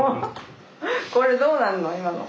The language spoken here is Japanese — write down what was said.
これどうなるの？